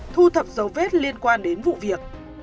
thu thập dấu vết liên quan đến vụ việc